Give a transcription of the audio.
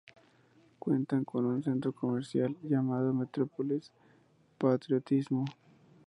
Cuenta con un centro comercial llamado Metropolis Patriotismo.